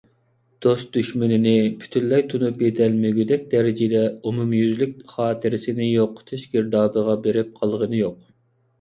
دوست - دۈشمىنىنى پۈتۈنلەي تونۇپ يېتەلمىگۈدەك دەرىجىدە ئومۇميۈزلۈك خاتىرىسىنى يوقىتىش گىردابىغا بېرىپ قالغىنى يوق.